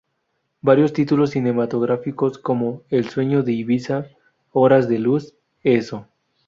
Varios títulos cinematográficos como "El sueño de Ibiza", "Horas de luz", "Eso".